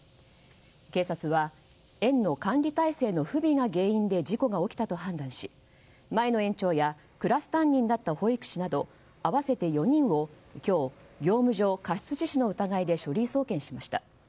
警察は園の管理体制の不備が原因で事故が起きたと判断し前の園長やクラス担任だった保育士など合わせて４人を今日、業務上過失致死の疑いで書類送検しました。